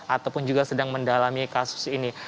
ataupun juga sedang mendalami kasus ini